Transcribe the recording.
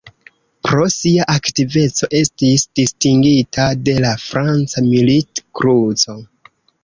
Pro sia aktiveco estis distingita de la franca Milit-Kruco.